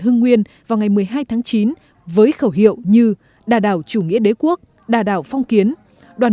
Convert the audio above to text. hưng nguyên vào ngày một mươi hai tháng chín với khẩu hiệu như đà đảo chủ nghĩa đế quốc đà đảo phong kiến đoàn